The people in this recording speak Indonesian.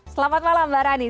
selamat malam mbak rani